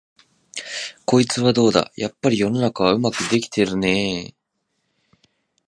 こいつはどうだ、やっぱり世の中はうまくできてるねえ、